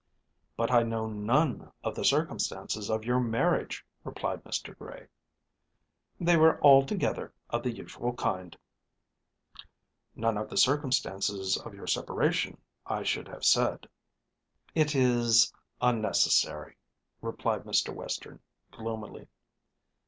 "But I know none of the circumstances of your marriage," replied Mr. Gray. "They were altogether of the usual kind." "None of the circumstances of your separation, I should have said." "It is unnecessary," replied Mr. Western, gloomily.